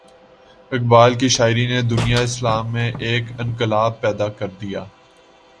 اقبال کی شاعری نے دنیائے اسلام میں ایک انقلاب پیدا کر دیا۔